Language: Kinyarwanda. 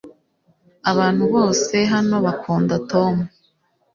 abantu bose hano bakunda tom